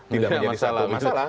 tidak menjadi satu masalah